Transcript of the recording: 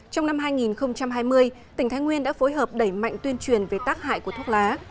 trong năm hai nghìn hai mươi tỉnh thái nguyên đã phối hợp đẩy mạnh tuyên truyền về tác hại của thuốc lá